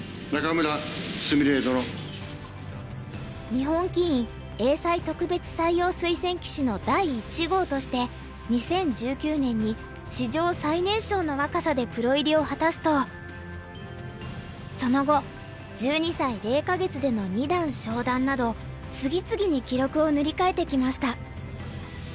日本棋院英才特別採用推薦棋士の第１号として２０１９年に史上最年少の若さでプロ入りを果たすとその後１２歳０か月での二段昇段など次々に記録を塗り替えてきました。